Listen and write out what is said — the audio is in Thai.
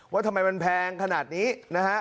ว่าทำไมมันแพงขนาดนี้นะฮะ